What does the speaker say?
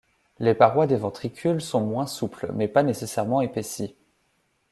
Les parois des ventricules sont moins souples mais pas nécessairement épaissies.